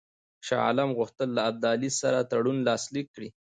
شاه عالم غوښتل له ابدالي سره تړون لاسلیک کړي.